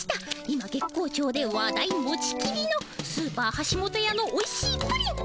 今月光町で話題持ちきりのスーパーはしもとやのおいしいプリン。